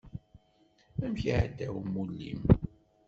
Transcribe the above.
Amek iɛedda umulli-m?